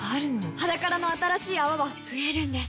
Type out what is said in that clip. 「ｈａｄａｋａｒａ」の新しい泡は増えるんです